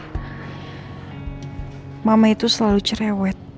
setiap sebelum gua keluar rumah mereka selalu sediain dan temenin gue sarapan